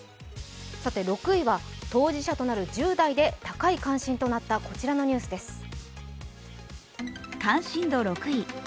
６位は当事者となる１０代で高い関心となったこちらのニュースです。